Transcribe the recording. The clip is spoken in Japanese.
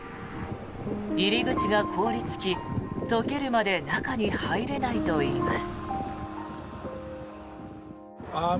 入り口が凍りつき、解けるまで中に入れないといいます。